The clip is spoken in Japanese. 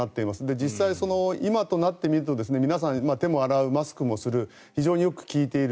実際、今となってみると皆さん、手も洗うマスクもする非常によく聞いている。